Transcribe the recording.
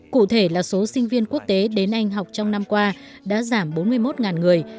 cụ thể là số sinh viên quốc tế đến anh học trong năm qua đã giảm bốn mươi một người